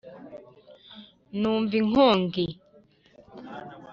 numva inkongi